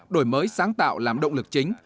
đổi mới sáng tạo làm động lực chính